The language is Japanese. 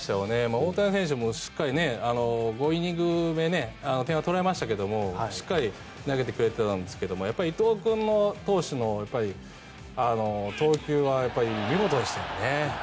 大谷選手もしっかり５イニング目点は取られましたけどしっかり投げてくれてたんですがやっぱり伊藤投手の投球は見事でしたよね。